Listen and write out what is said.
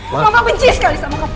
bapak benci sekali sama kamu